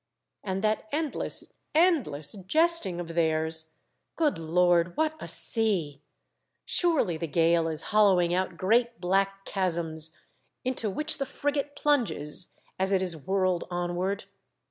And that endless, endless jesting of theirs ! Good Lord ! what a sea ! Surely the gale is hollowing out great black chasms, into which the frigate plunges as it is whirled onward.